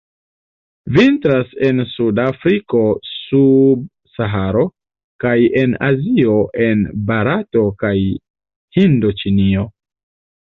Vintras en suda Afriko sub Saharo, kaj en Azio en Barato kaj Hindoĉinio.